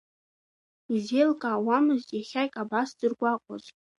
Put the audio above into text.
Изеилкаауамызт иахьак абас дзыргәаҟуаз.